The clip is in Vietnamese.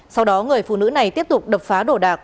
sau đó người phụ nữ này tiếp tục đập phá đồ đạc